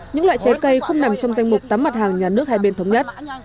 những loại trái cây không nằm trong danh mục tám mặt hàng nhà nước hai bên thống nhất